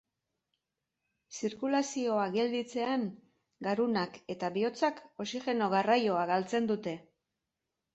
Zirkulazioa gelditzean, garunak eta bihotzak oxigeno-garraioa galtzen dute.